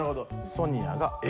ソニアがＡ。